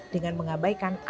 dengan mengabaikan asli